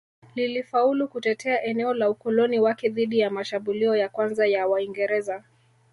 Lilifaulu kutetea eneo la ukoloni wake dhidi ya mashambulio ya kwanza ya Waingereza